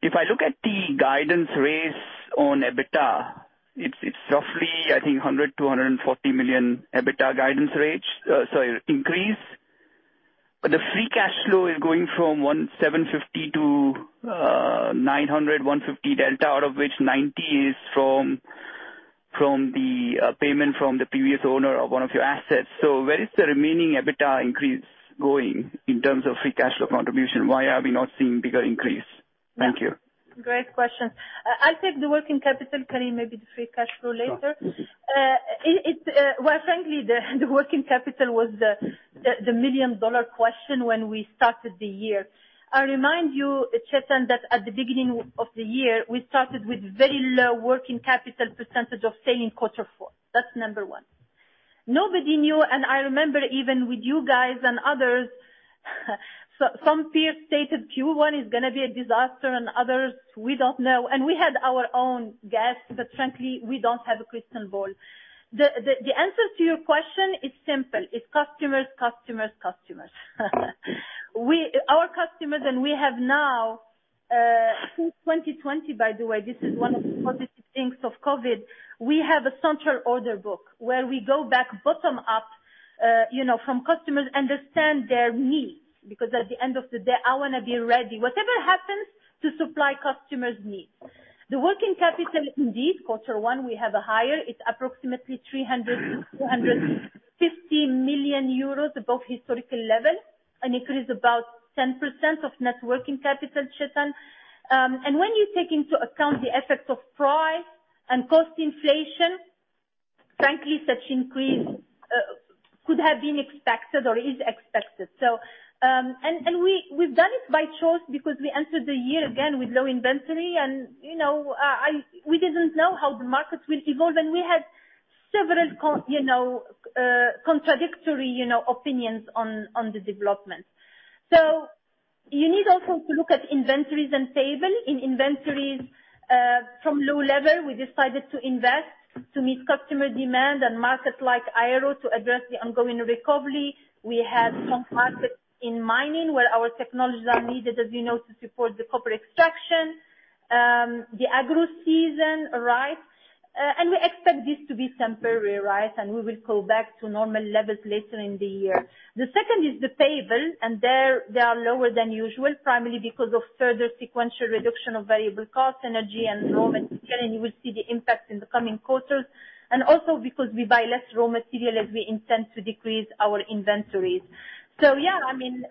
if I look at the guidance raise on EBITDA, it's roughly, I think 100 million to 140 million EBITDA guidance range, so increase. The free cash flow is going from 1,750-900, 150 delta, out of which 90 is from the payment from the previous owner of one of your assets. Where is the remaining EBITDA increase going in terms of free cash flow contribution? Why are we not seeing bigger increase? Thank you. Great question. I'll take the working capital, Karim, maybe the free cash flow later. Sure. Mm-hmm. Well, frankly, the working capital was the million dollar question when we started the year. I'll remind you, Chetan, that at the beginning of the year, we started with very low working capital percentage of sale in quarter four. That's number one. Nobody knew, and I remember even with you guys and others, some peers stated Q1 is gonna be a disaster and others, we don't know. We had our own guess, but frankly we don't have a crystal ball. The answer to your question is simple. It's customers, customers. We, our customers and we have now, through 2020, by the way, this is one of the positive things of COVID, we have a central order book where we go back bottom up, you know, from customers, understand their needs, because at the end of the day, I wanna be ready, whatever happens, to supply customers' needs. The working capital, indeed, quarter one, we have a higher, it's approximately 300 million-450 million euros above historical level, an increase about 10% of net working capital, Chetan. When you take into account the effects of price and cost inflation, frankly, such increase could have been expected or is expected. We've done it by choice because we entered the year again with low inventory and, you know, we didn't know how the markets will evolve. We had several you know, contradictory, you know, opinions on the development. You need also to look at inventories and payable. In inventories, from low level, we decided to invest to meet customer demand and markets like Aero to address the ongoing recovery. We have strong markets in mining where our technologies are needed, as you know, to support the copper extraction. The agro season arrived. We expect this to be temporary, right? We will go back to normal levels later in the year. The second is the payable, and there they are lower than usual, primarily because of further sequential reduction of variable costs, energy and raw material, and you will see the impact in the coming quarters. Also because we buy less raw material as we intend to decrease our inventories. Yeah, I mean,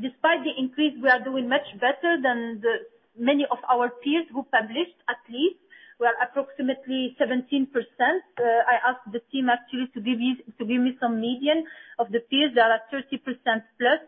despite the increase, we are doing much better than many of our peers who published at least. We are approximately 17%. I asked the team actually to give me some median of the peers that are at 30% plus.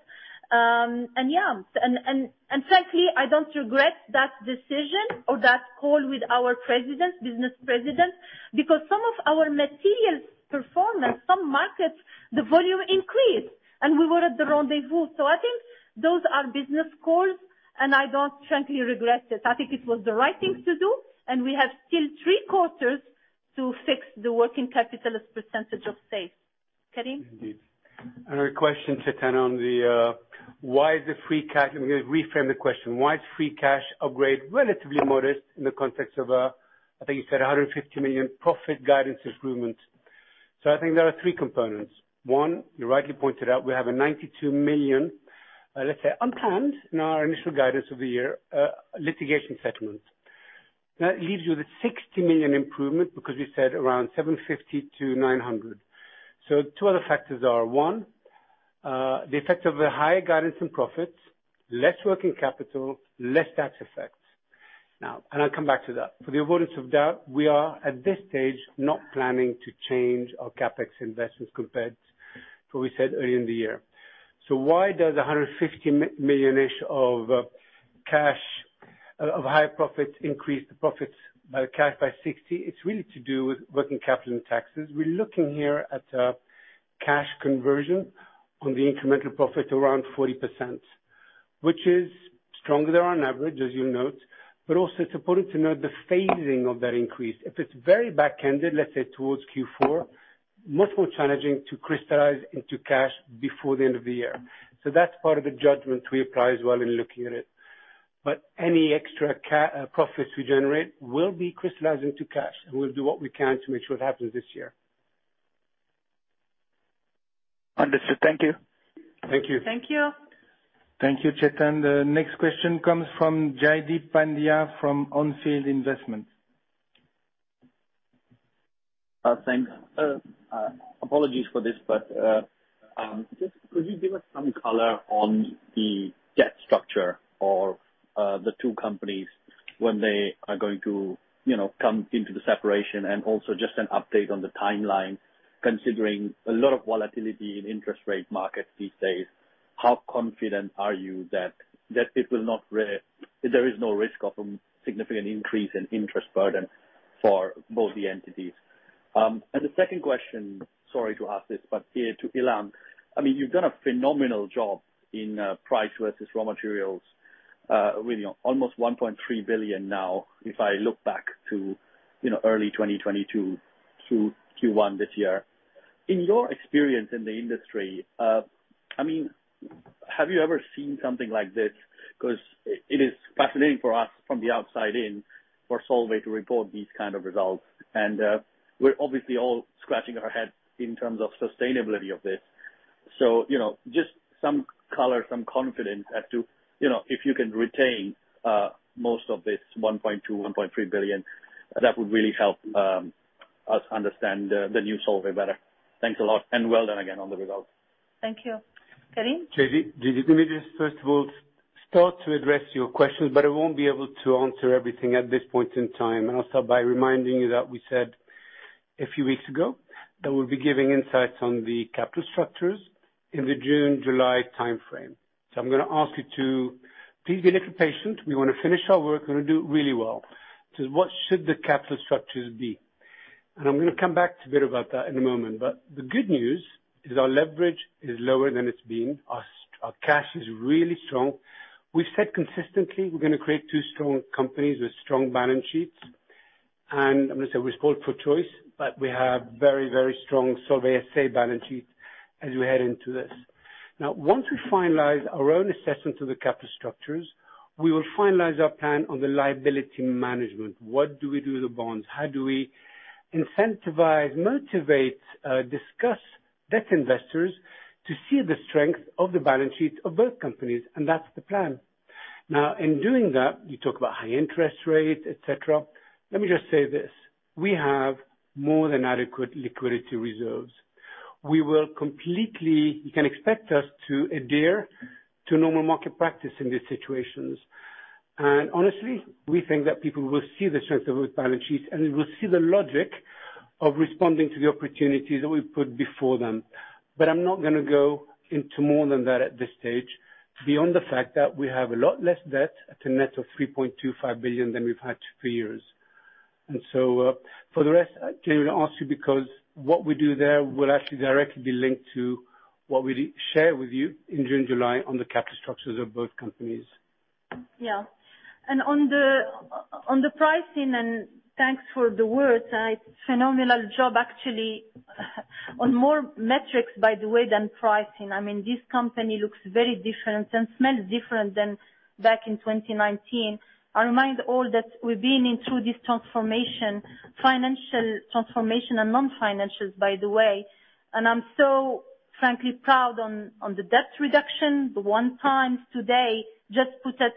Yeah, and frankly, I don't regret that decision or that call with our presidents, business presidents, because some of our materials performance, some markets, the volume increased and we were at the rendezvous. I think those are business calls, and I don't frankly regret it. I think it was the right thing to do, and we have still three quarters to fix the working capital as percentage of sales. Karim? Indeed. Another question, Chetan, on the, why is the free cash... I'm gonna reframe the question. Why is free cash upgrade relatively modest in the context of, I think you said a 150 million profit guidance improvement? I think there are three components. One, you rightly pointed out we have a 92 million, let's say unplanned in our initial guidance of the year, litigation settlement. That leaves you with a 60 million improvement because you said around 750-900. Two other factors are, one, the effect of a higher guidance in profits, less working capital, less tax effects. I'll come back to that. For the avoidance of doubt, we are at this stage not planning to change our CapEx investments compared to what we said earlier in the year. Why does 150 million-ish of cash of higher profits increase the profits by cash by 60? It's really to do with working capital and taxes. We're looking here at cash conversion on the incremental profit around 40%, which is stronger on average, as you'll note. Also, it's important to note the phasing of that increase. If it's very backended, let's say towards Q4, much more challenging to crystallize into cash before the end of the year. That's part of the judgment we apply as well in looking at it. Any extra profits we generate will be crystallizing to cash, and we'll do what we can to make sure it happens this year. Understood. Thank you. Thank you. Thank you. Thank you, Chetan. The next question comes from Jaideep Pandya from On Field Investment Research. Thanks. Apologies for this, just could you give us some color on the debt structure or the two companies when they are going to, you know, come into the separation and also just an update on the timeline, considering a lot of volatility in interest rate markets these days, how confident are you that it will not There is no risk of a significant increase in interest burden for both the entities? The second question, sorry to ask this, here to Ilham. I mean, you've done a phenomenal job in price versus raw materials, really almost 1.3 billion now, if I look back to, you know, early 2022 through Q1 this year. In your experience in the industry, I mean, have you ever seen something like this? Cause it is fascinating for us from the outside in for Solvay to report these kind of results. We're obviously all scratching our heads in terms of sustainability of this. You know, just some color, some confidence as to, you know, if you can retain most of this 1.2 billion-1.3 billion, that would really help us understand the new Solvay better. Thanks a lot, and well done again on the results. Thank you. Karim? Jaideep, let me just first of all start to address your question. I won't be able to answer everything at this point in time. I'll start by reminding you that we said a few weeks ago that we'll be giving insights on the capital structures in the June, July timeframe. I'm gonna ask you to please be a little patient. We wanna finish our work. We wanna do it really well to what should the capital structures be. I'm gonna come back to a bit about that in a moment. The good news is our leverage is lower than it's been. Our cash is really strong. We've said consistently we're gonna create two strong companies with strong balance sheets. I'm gonna say we're spoiled for choice. We have very, very strong Solvay SA balance sheets as we head into this. Once we finalize our own assessment of the capital structures, we will finalize our plan on the liability management. What do we do with the bonds? How do we incentivize, motivate, discuss debt investors to see the strength of the balance sheet of both companies? That's the plan. In doing that, you talk about high interest rates, et cetera. Let me just say this, we have more than adequate liquidity reserves. You can expect us to adhere to normal market practice in these situations. Honestly, we think that people will see the strength of those balance sheets, and they will see the logic of responding to the opportunities that we've put before them. I'm not gonna go into more than that at this stage, beyond the fact that we have a lot less debt at a net of 3.25 billion than we've had for years. For the rest, Jaideep, I'll ask you because what we do there will actually directly be linked to what we'll share with you in June, July on the capital structures of both companies. Yeah. On the pricing, thanks for the words. It's phenomenal job actually on more metrics, by the way, than pricing. I mean, this company looks very different and smells different than back in 2019. I remind all that we've been in through this transformation, financial transformation and non-financial, by the way, and I'm so frankly proud on the debt reduction. The 1 times today just put us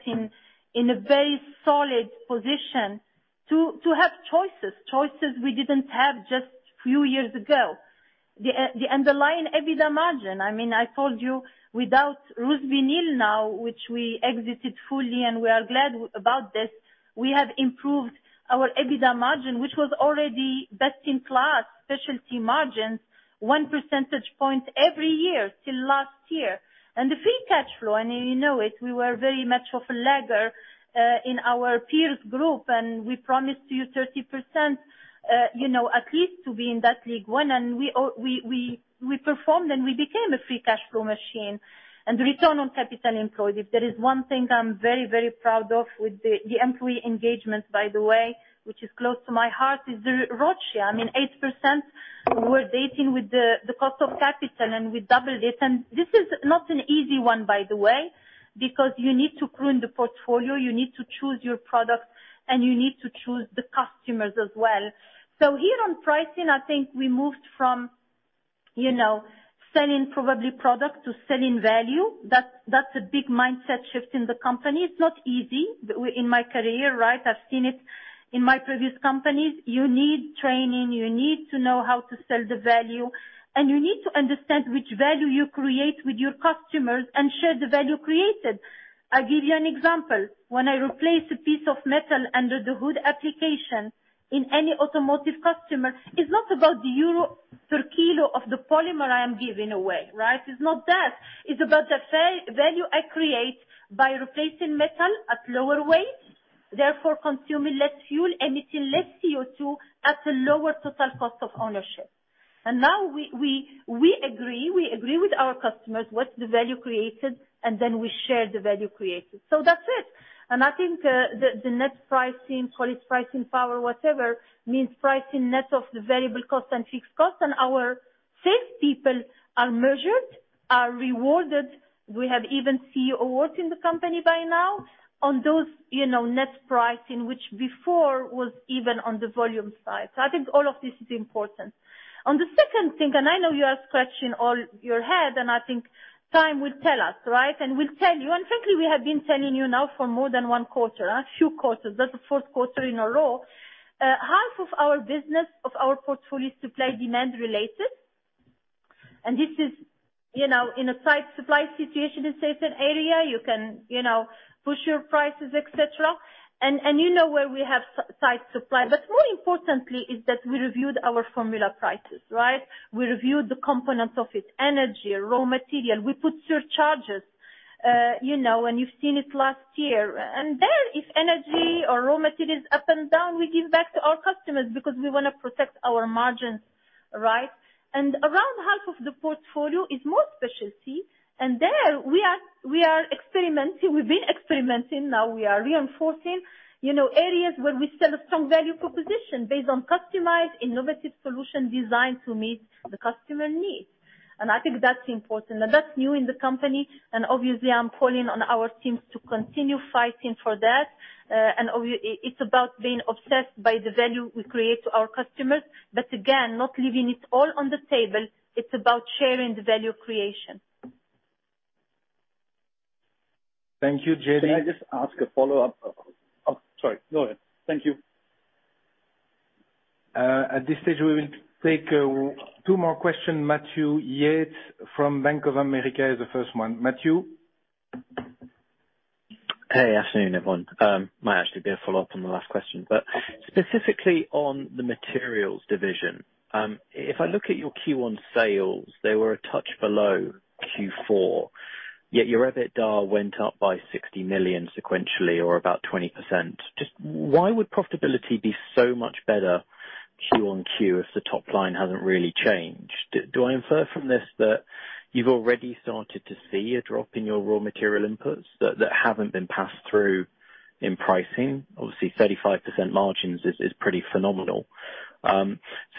in a very solid position to have choices we didn't have just few years ago. The underlying EBITDA margin, I mean, I told you without RusVinyl now, which we exited fully, and we are glad about this, we have improved our EBITDA margin, which was already best-in-class specialty margins, one percentage point every year till last year. The free cash flow, and you know it, we were very much of a lagger in our peers group, and we promised you 30%, you know, at least to be in that league one. We all performed and we became a free cash flow machine. Return on capital employed. If there is one thing I'm very, very proud of with the employee engagement, by the way, which is close to my heart, is the ROCE. I mean, 8% we're dating with the cost of capital, and we doubled it. This is not an easy one, by the way, because you need to prune the portfolio, you need to choose your products, and you need to choose the customers as well. Here on pricing, I think we moved from, you know, selling probably product to selling value. That's a big mindset shift in the company. It's not easy. In my career, right, I've seen it in my previous companies. You need training, you need to know how to sell the value, and you need to understand which value you create with your customers and share the value created. I'll give you an example. When I replace a piece of metal under the hood application in any automotive customer, it's not about the euro per kilo of the polymer I am giving away, right? It's not that. It's about the value I create by replacing metal at lower weights, therefore consuming less fuel, emitting less CO2 at a lower total cost of ownership. Now we agree with our customers what's the value created, and then we share the value created. That's it. I think, the net pricing, call it pricing power, whatever, means pricing net of the variable cost and fixed cost. Our salespeople are rewarded. We have even CEO awards in the company by now on those, you know, net pricing, which before was even on the volume side. I think all of this is important. On the second thing, I know you are scratching all your head, and I think time will tell us, right? We'll tell you, and frankly we have been telling you now for more than one quarter. A few quarters. That's fourth 4th quarter in a row. Half of our business of our portfolio supply demand related. This is, you know, in a tight supply situation, let's say an area, you can, you know, push your prices, et cetera. you know where we have tight supply. More importantly is that we reviewed our formula prices, right? We reviewed the components of it. Energy, raw material. We put surcharges, you know, and you've seen it last year. There if energy or raw material is up and down, we give back to our customers because we want to protect our margins, right? Around half of the portfolio is more specialty. There we are, we are experimenting. We've been experimenting, now we are reinforcing, you know, areas where we sell a strong value proposition based on customized innovative solution designed to meet the customer needs. I think that's important. Now, that's new in the company and obviously I'm calling on our teams to continue fighting for that. It's about being obsessed by the value we create to our customers. Again, not leaving it all on the table, it's about sharing the value creation. Thank you, Jaideep. Can I just ask a follow-up? Oh, sorry, go ahead. Thank you. At this stage, we will take two more question. Matthew Yates from Bank of America is the first one. Matthew? Hey. Afternoon, everyone. Might actually be a follow-up on the last question. Specifically on the materials division, if I look at your Q1 sales, they were a touch below Q4, yet your EBITDA went up by 60 million sequentially, or about 20%. Just why would profitability be so much better Q on Q if the top line hasn't really changed? Do I infer from this that you've already started to see a drop in your raw material inputs that haven't been passed through in pricing? Obviously 35% margins is pretty phenomenal.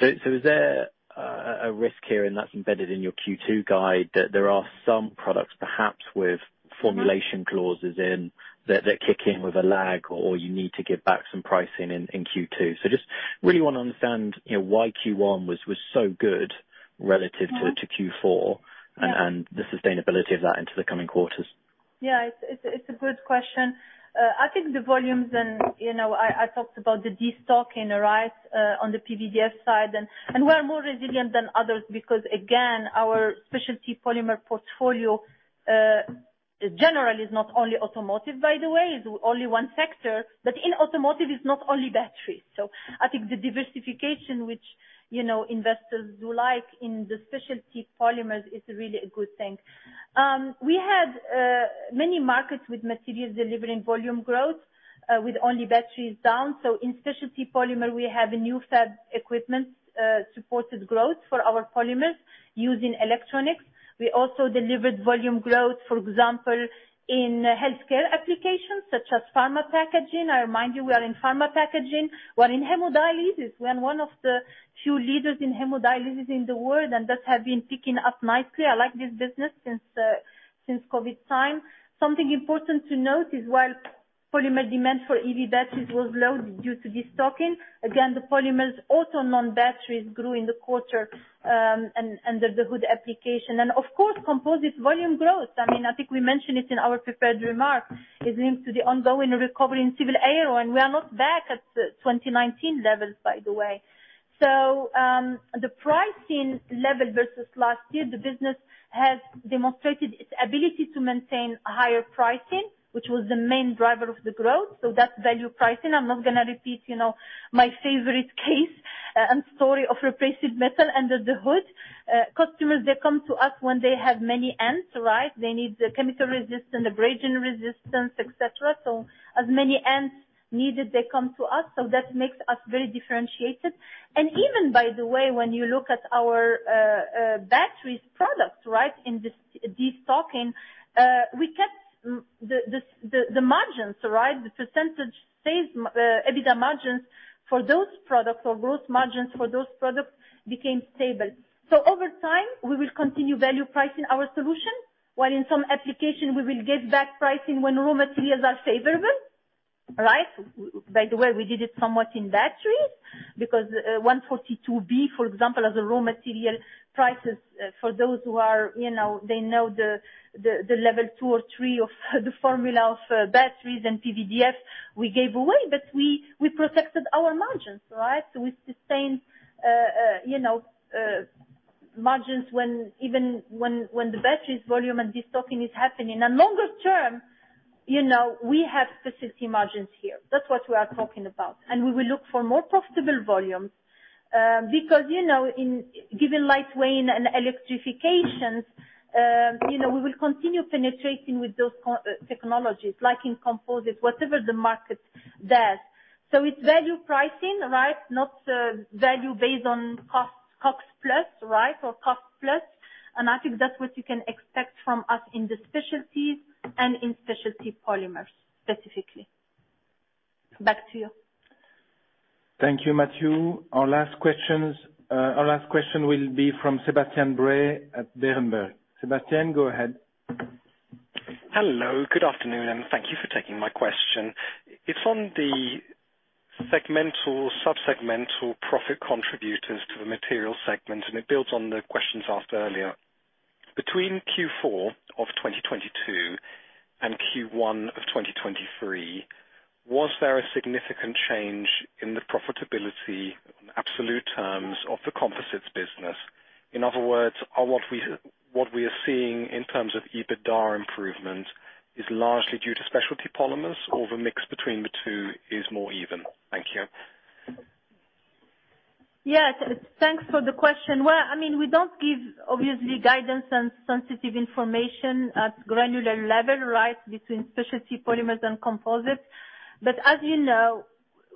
Is there a risk here, and that's embedded in your Q2 guide, that there are some products perhaps with formulation clauses in that kick in with a lag, or you need to give back some pricing in Q2? just really wanna understand, you know, why Q1 was so good relative to. Mm-hmm. To Q4. Yeah. The sustainability of that into the coming quarters. Yeah. It's a good question. I think the volumes and, you know, I talked about the destocking, right, on the PVDF side. And we're more resilient than others because, again, our specialty polymer portfolio, generally is not only automotive by the way, is only one sector. In automotive is not only batteries. I think the diversification, which, you know, investors do like in the specialty polymers is really a good thing. We had many markets with materials delivering volume growth, with only batteries down. In specialty polymer we have a new fab equipment, supported growth for our polymers used in electronics. We also delivered volume growth, for example, in healthcare applications such as pharma packaging. I remind you, we are in pharma packaging. We're in hemodialysis. We are one of the few leaders in hemodialysis in the world, and that have been picking up nicely. I like this business since COVID time. Something important to note is while polymer demand for EV batteries was low due to destocking, again, the polymers also non-batteries grew in the quarter, and under the hood application. Of course composites volume growth. I mean, I think we mentioned it in our prepared remarks. It's linked to the ongoing recovery in civil aero, and we are not back at the 2019 levels, by the way. The pricing level versus last year, the business has demonstrated its ability to maintain a higher pricing, which was the main driver of the growth. That's value pricing. I'm not gonna repeat, you know, my favorite case, and story of replacing metal under the hood. Customers, they come to us when they have many ends, right? They need the chemical resistance, abrasion resistance, et cetera. As many ends needed, they come to us. That makes us very differentiated. Even by the way, when you look at our batteries products, right, in this destocking, we kept the margins, right? The percentage stays, EBITDA margins for those products or gross margins for those products became stable. Over time, we will continue value pricing our solution, while in some application we will give back pricing when raw materials are favorable, right? By the way, we did it somewhat in batteries because 142b, for example, as a raw material prices for those who are, you know, they know the level two or three of the formula of batteries and PVDF, we gave away, but we protected our margins, right? We sustained, you know, margins even when the batteries volume and destocking is happening. Longer term, you know, we have specialty margins here. That's what we are talking about. We will look for more profitable volumes because, you know, in giving lightweight and electrifications, you know, we will continue penetrating with those technologies, like in composites, whatever the market does. It's value pricing, right? Not value based on cost plus, right? I think that's what you can expect from us in the specialties and in specialty polymers, specifically. Back to you. Thank you, Matthew. Our last question will be from Sebastian Bray at Berenberg. Sebastian, go ahead. Hello. Good afternoon. Thank you for taking my question. It's on the segmental, sub-segmental profit contributors to the material segment. It builds on the questions asked earlier. Between Q4 of 2022 and Q1 of 2023, was there a significant change in the profitability in absolute terms of the composites business? In other words, are what we are seeing in terms of EBITDA improvement is largely due to specialty polymers or the mix between the two is more even. Thank you. Yes. Thanks for the question. Well, I mean, we don't give obviously guidance and sensitive information at granular level, right, between specialty polymers and composites. As you know,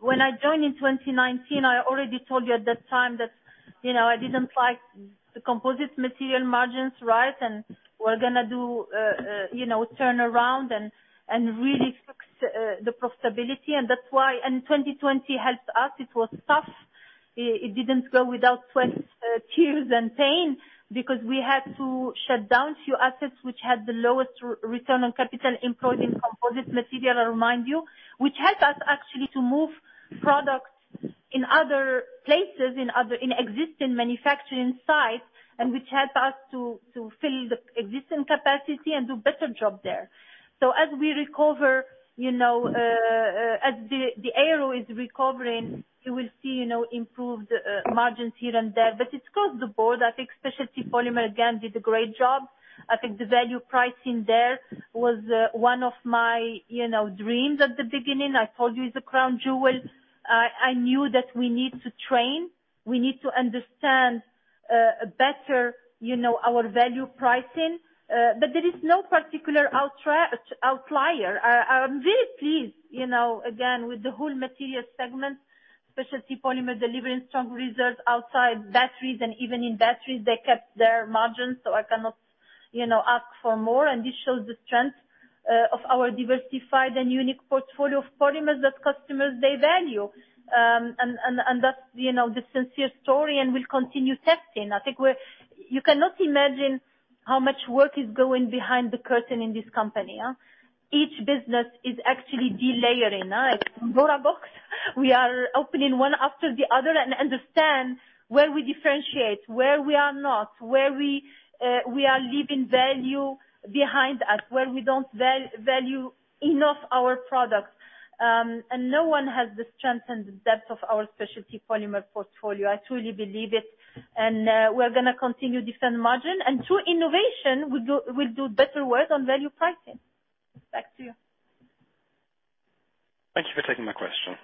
when I joined in 2019, I already told you at that time that, you know, I didn't like the composites material margins, right? We're gonna do, you know, turnaround and really fix the profitability. That's why. 2020 helped us. It was tough. It didn't go without sweat, tears and pain because we had to shut down few assets which had the lowest return on capital employed in composites material, I remind you, which helped us actually to move products in other places, in existing manufacturing sites and which helped us to fill the existing capacity and do better job there. As we recover, you know, as the aero is recovering, you will see, you know, improved margins here and there, but it's across the board. I think Specialty Polymer, again, did a great job. I think the value pricing there was one of my, you know, dreams at the beginning. I told you it's a crown jewel. I knew that we need to train, we need to understand better, you know, our value pricing. There is no particular outlier. I'm very pleased, you know, again, with the whole material segment, Specialty Polymer delivering strong results outside batteries and even in batteries, they kept their margins. I cannot, you know, ask for more. This shows the strength of our diversified and unique portfolio of polymers that customers, they value. That's, you know, the sincere story, and we'll continue testing. You cannot imagine how much work is going behind the curtain in this company. Each business is actually delayering, like Pandora's box. We are opening one after the other and understand where we differentiate, where we are not, where we are leaving value behind us, where we don't value enough our products. No one has the strength and the depth of our specialty polymer portfolio. I truly believe it. We are gonna continue different margin. Through innovation, we'll do better work on value pricing. Back to you. Thank you for taking my question.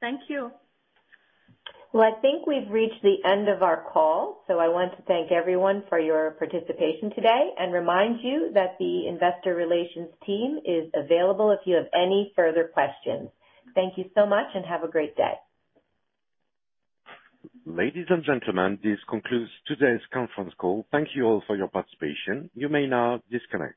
Thank you. Well, I think we've reached the end of our call, so I want to thank everyone for your participation today and remind you that the investor relations team is available if you have any further questions. Thank you so much, and have a great day. Ladies and gentlemen, this concludes today's conference call. Thank you all for your participation. You may now disconnect.